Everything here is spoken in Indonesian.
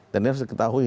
dan ini harus diketahui